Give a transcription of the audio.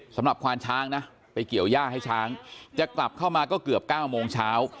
ควานช้างนะไปเกี่ยวย่าให้ช้างจะกลับเข้ามาก็เกือบ๙โมงเช้า